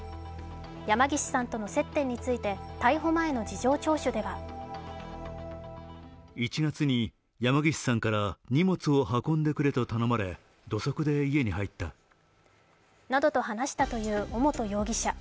山岸さんとの接点について逮捕前の事情聴取ではなどと話したという尾本容疑者。